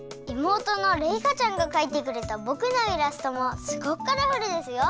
妹のれいかちゃんがかいてくれたぼくのイラストもすごくカラフルですよ！